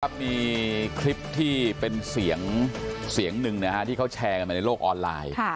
มีคลิปที่เป็นเสียงเสียงหนึ่งนะฮะที่เขาแชร์กันมาในโลกออนไลน์